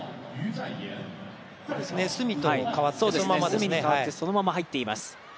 角に代わって、そのまま入っています。